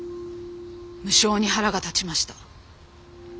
無性に腹が立ちました。